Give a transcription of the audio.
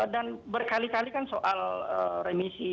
dan berkali kali kan soal remisi